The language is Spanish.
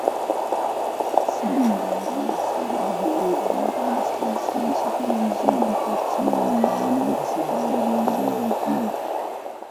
Sin embargo se graduó de Administración y Supervisión Educativa en la Universidad de Guayaquil.